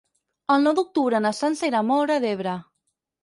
El nou d'octubre na Sança irà a Móra d'Ebre.